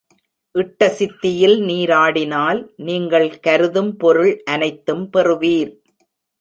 இட்டசித்தியில் நீராடினால் நீங்கள் கருதும் பொருள் அனைத்தும் பெறுவீர்.